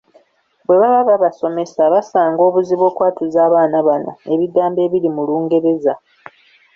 Bwe baba babasomesa basanga obuzibu okwatuza abaana bano ebigambo ebiri mu Lungereza.